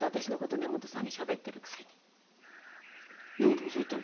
根本がそう言ったのか？